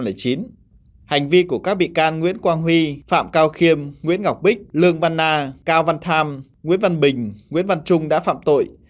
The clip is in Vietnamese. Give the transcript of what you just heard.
hành vi của các bị can nguyễn quang huy phạm cao khiêm nguyễn ngọc bích lương văn na cao văn tham nguyễn văn bình nguyễn văn trung đã phạm tội